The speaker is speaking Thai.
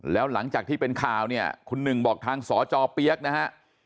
แล้วหลังจากที่เป็นข่าวเนี่ยคุณหนึ่งบอกทางสจเปี๊ยกนะฮะ